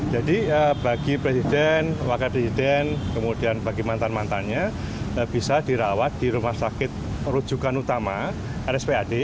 jadi bagi presiden wakil presiden kemudian bagi mantan mantannya bisa dirawat di rumah sakit rujukan utama rspad